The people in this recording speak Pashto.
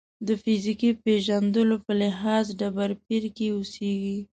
د فیزیکي پېژندلو په لحاظ ډبرپېر کې اوسېږي.